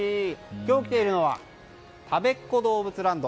今日来ているのはたべっ子どうぶつＬＡＮＤ。